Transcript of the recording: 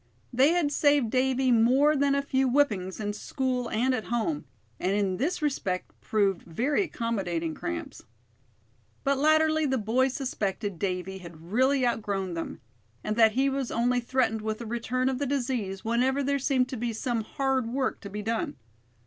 They had saved Davy more than a few whippings, in school and at home: and in this respect proved very accommodating cramps. But latterly the boys suspected Davy had really outgrown them; and that he was only threatened with a return of the disease whenever there seemed to be some hard work to be done.